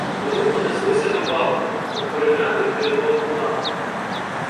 Вони понеслися до балки — охороняти крило лави.